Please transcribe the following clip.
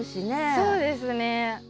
そうですね。